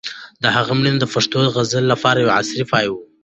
د هغه مړینه د پښتو غزل لپاره د یو عصر پای و.